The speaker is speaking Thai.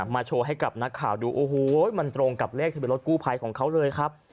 โชว์ให้กับนักข่าวดูโอ้โหมันตรงกับเลขทะเบียรถกู้ภัยของเขาเลยครับ